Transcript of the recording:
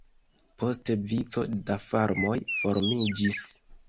Poste vico da farmoj formiĝis.